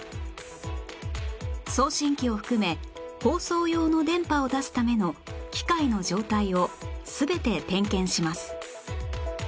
送信機を含め放送用の電波を出すための機械の状態を全て点検します